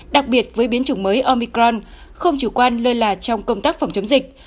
đặc biệt với biến chủng mới omicron không chủ quan lơ là trong công tác phòng chống dịch